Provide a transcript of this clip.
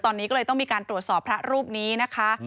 ตอนนี้ก็เลยต้องมีการตรวจสอบพระรูปนี้นะคะ